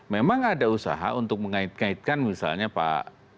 memang ada usaha untuk mengait ngaitkan misalnya pak